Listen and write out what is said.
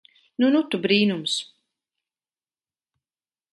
Nu nu tu brīnums.